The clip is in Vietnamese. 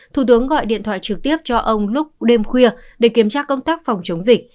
thủ tướng gọi điện thoại trực tiếp cho ông lúc đêm khuya để kiểm tra công tác phòng chống dịch